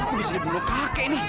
aku bisa dibunuh kakek ini